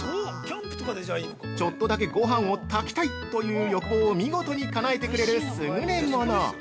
ちょっとだけごはんを炊きたいという欲望を見事にかなえてくれる優れもの。